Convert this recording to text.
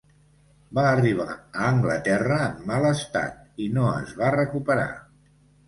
Va arribar a Anglaterra en mal estat i no es va recuperar.